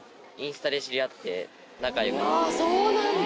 あぁそうなんだ。